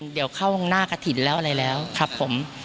เดี๋ยวเข้าหน้ากระถิ่นแล้วอะไรแล้วครับผม